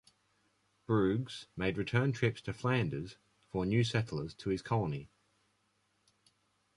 Bruges made return trips to Flanders for new settlers to his colony.